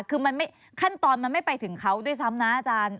คือขั้นตอนมันไม่ไปถึงเขาด้วยซ้ำนะอาจารย์